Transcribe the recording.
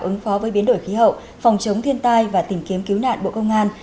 ứng phó với biến đổi khí hậu phòng chống thiên tai và tìm kiếm cứu nạn bộ công an